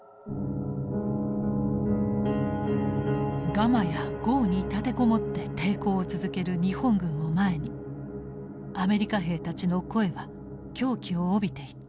ガマや壕に立て籠もって抵抗を続ける日本軍を前にアメリカ兵たちの声は狂気を帯びていった。